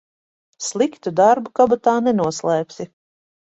Sliktu darbu kabatā nenoslēpsi.